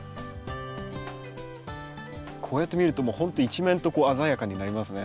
こうやって見るともうほんと一面とこう鮮やかになりますね。